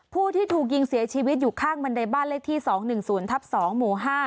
ผู้ที่ถูกยิงเสียชีวิตอยู่ข้างบันไดบ้านเลขที่๒๑๐ทับ๒หมู่๕